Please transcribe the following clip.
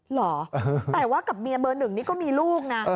เหรอแต่ว่ากับเมียเบอร์หนึ่งนี่ก็มีลูกนะ